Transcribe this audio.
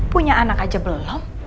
punya anak aja belum